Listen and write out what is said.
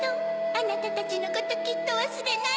あなたたちのこときっとわすれないわ。